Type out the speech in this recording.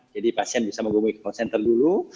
jadi pasien bisa menghubungi call center dulu